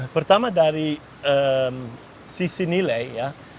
pertama dari sisi nilai ya